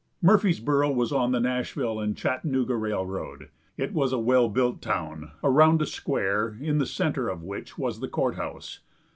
Murfreesboro was on the Nashville & Chattanooga railroad. It was a well built town, around a square, in the center of which was the court house.